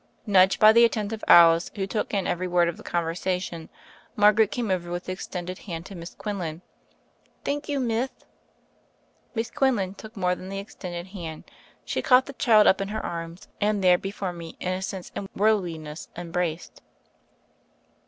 Nudged by the attentive Alice, who took in every word of the conversation, Margaret came over with extended hand to Miss Quinlan. "Thank you, mith." Miss Quinlan took more than the extended hand: she caught the child up in her arms, and there before me innocence and worldliness embraced.